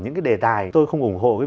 những cái đề tài tôi không ủng hộ cái